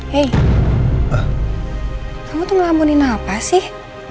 hei kamu tuh ngelabunin apa sih